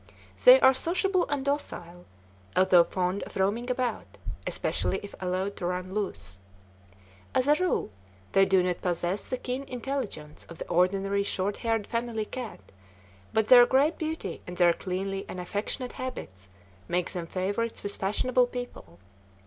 They are sociable and docile, although fond of roaming about, especially if allowed to run loose. As a rule, they do not possess the keen intelligence of the ordinary short haired family cat, but their great beauty and their cleanly and affectionate habits make them favorites with fashionable people.